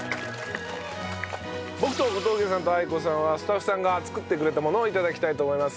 僕と小峠さんと愛子さんはスタッフさんが作ってくれたものを頂きたいと思います。